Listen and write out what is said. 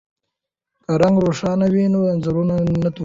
که رنګ روښانه وي نو انځور نه توریږي.